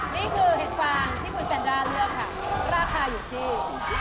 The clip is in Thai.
นี่คือเห็ดฟางที่คุณแซนด้าเลือกค่ะราคาอยู่ที่